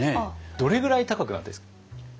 どれぐらい高くなったらいいですか？